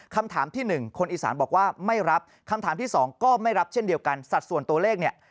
คำถามที่๑คนอีสานบอกว่าไม่รับคำถามที่สองก็ไม่รับเช่นเดียวกันสัดส่วนตัวเลขเนี่ย